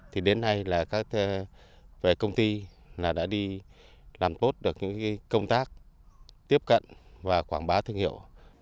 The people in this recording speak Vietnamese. thì đến nay là các công ty đã đi làm tốt được những công tác tiếp cận và quảng bá thương hiệu